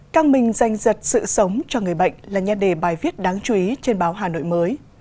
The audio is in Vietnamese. căng mình danh dật sự sống cho người bệnh là nhân đề bài viết đáng chú ý trên báo hà nội mới